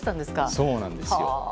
そうなんですよ。